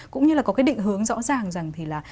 cũng như là có cái định hướng rõ ràng rằng thì là